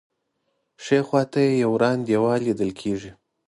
ښی خوا ته یې یو وران دیوال لیدل کېږي.